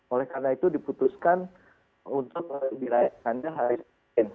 oleh karena itu diputuskan untuk dirayakannya hari senin